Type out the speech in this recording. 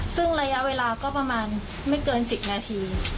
ซึ่งระยะเวลาก็ประมาณไม่เกิน๑๐นาที